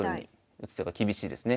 打つ手が厳しいですね。